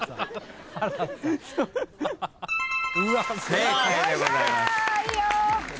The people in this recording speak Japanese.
正解でございます。